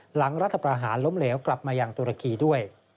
รัฐประหารล้มเหลวกลับมาอย่างตุรกีด้วย